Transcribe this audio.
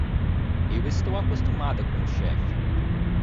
Eu estou acostumada com o chefe.